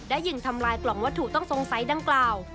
และยิงทำลายกล่องวัตถุต้องสงสัยดังกล่าว